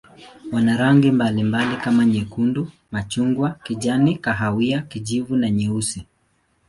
Wana rangi mbalimbali kama nyekundu, machungwa, kijani, kahawia, kijivu na nyeusi.